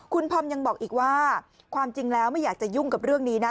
คุณธอมยังบอกอีกว่าความจริงแล้วไม่อยากจะยุ่งกับเรื่องนี้นะ